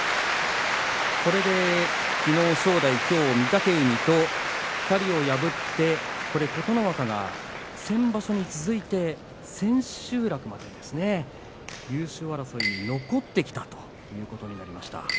これで、きのう正代きょう御嶽海と２人を破って琴ノ若が先場所に続いて千秋楽まで優勝争いに残ってきたということになりました。